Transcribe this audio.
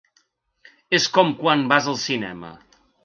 És com quan vas al cinema.